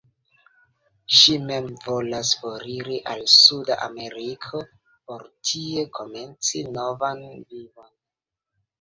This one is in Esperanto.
Ŝi men volas foriri al Sud-Ameriko por tie komenci novan vivon.